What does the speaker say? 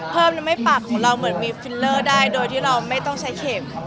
ทำให้ปากของเราเหมือนมีฟิลเลอร์ได้โดยที่เราไม่ต้องใช้เข็ม